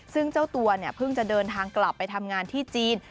ซึ่งเจ้าตัวเนี่ยเพิ่งจะเดินทางกลับไปทำงานที่จีน